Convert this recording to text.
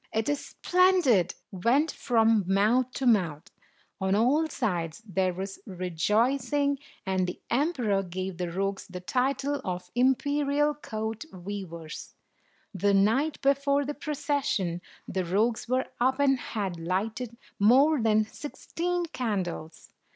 "It is splendid!" went from mouth to mouth. On all sides there was rejoicing, and the emperor gave the rogues the title of Imperial Court Weavers. The night before the procession, the rogues were up, and had lighted more than sixteen candles.